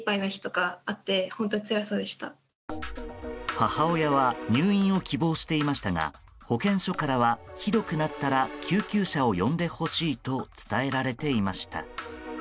母親は入院を希望していましたが保健所からは、ひどくなったら救急車を呼んでほしいと伝えられていました。